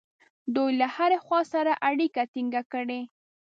دوی له هرې خوا سره اړیکه ټینګه کړي.